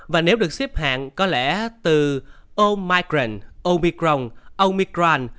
và nếu được xếp hạng có lẽ từ omicron omicron omicron